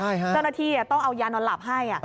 เจ้าหน้าที่ต้องเอายานอนหลับให้